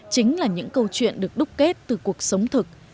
chính là những câu chuyện được đúc kết từ cuộc sống thực